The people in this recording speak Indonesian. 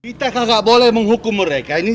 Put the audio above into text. kita nggak boleh menghukum mereka ini